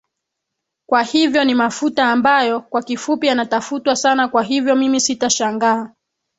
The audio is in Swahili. kwa hivyo ni mafuta ambayo kwa kifupi yanatafutwa sana kwa hivyo mimi sitashangaa